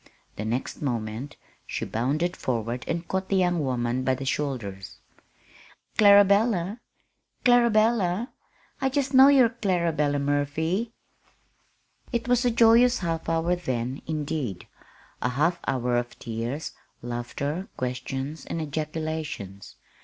The next moment she bounded forward and caught the young woman by the shoulders. "Clarabella, Clarabella I jest know you're Clarabella Murphy!" It was a joyous half hour then, indeed a half hour of tears, laughter, questions, and ejaculations.